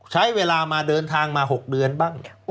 ใช้เวลามาเดินทางมา๖เดือนบ้าง